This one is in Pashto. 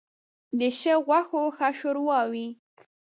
ـ د ښو غوښو ښه ښوروا وي.